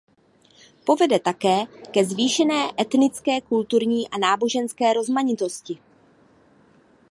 Povede také ke zvýšené etnické, kulturní a náboženské rozmanitosti.